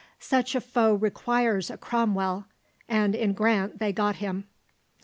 Such a foe requires a Cromwell, and in Grant they got him.